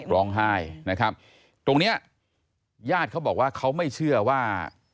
ร้องไห้นะครับตรงเนี้ยญาติเขาบอกว่าเขาไม่เชื่อว่า